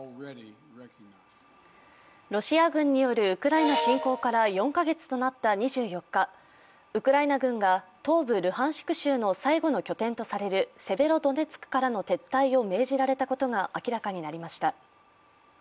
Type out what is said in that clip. ロシア軍によるウクライナ侵攻から４カ月となった２４日、ウクライナ軍が東部ルハンシク州の最後の拠点とされるセベロドネツクからの撤退を命じられたことが明らかになりました。